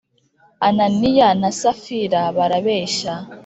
ananiya na safira barabeshya